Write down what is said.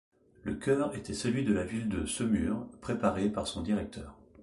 Le chœur était celui de la ville de Semur, préparé par son directeur.